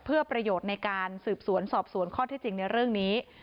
เพื่อประโยชน์ในการสืบสวนสอบสวนข้อที่จริงในเรื่องนี้